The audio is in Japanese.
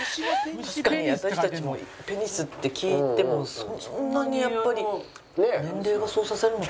確かに私たちもペニスって聞いてもそんなにやっぱり。